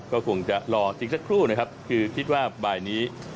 ก็คงจะรอสิ่งสักครู่คือคิดว่าบ่ายนี้